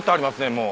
もう。